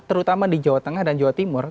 terutama di jawa tengah dan jawa timur